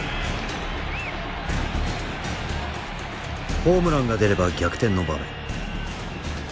ホームランが出れば逆転の場面。